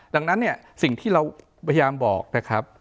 ดังนั้นเนี่ยสิ่งที่เราพยายามบอกนะครับ